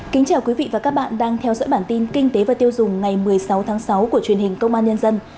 kính chào quý vị và các bạn đang theo dõi bản tin kinh tế và tiêu dùng ngày một mươi sáu tháng sáu của truyền hình công an nhân dân